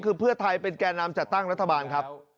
คือเพื่อไทยเป็นแก่นำจัดตั้งรัฐบาลครับ